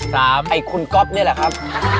ไอ้คุณก๊อฟนี่แหละครับ